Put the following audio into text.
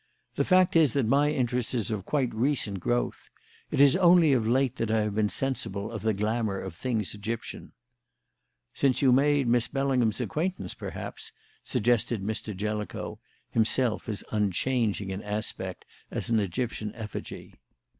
The fact is that my interest is of quite recent growth. It is only of late that I have been sensible of the glamour of things Egyptian." "Since you made Miss Bellingham's acquaintance, perhaps?" suggested Mr. Jellicoe, himself as unchanging in aspect as an Egyptian effigy.